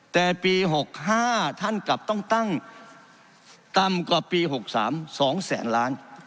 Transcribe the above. แต่ปี๖๕ท่านกลับต้องตั้งต่ำกว่าปี๖๓๒แสนล้าน